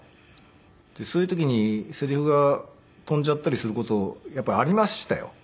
そういう時にセリフが飛んじゃったりする事やっぱりありましたよ。